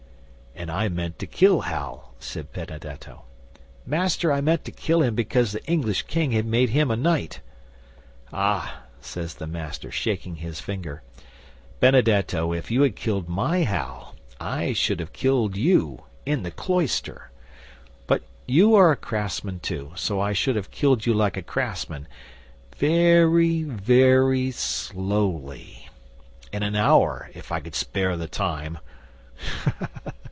'"And I meant to kill Hal," says Benedetto. "Master, I meant to kill him because the English King had made him a knight." '"Ah!" says the Master, shaking his finger. "Benedetto, if you had killed my Hal, I should have killed you in the cloister. But you are a craftsman too, so I should have killed you like a craftsman, very, very slowly in an hour, if I could spare the time!"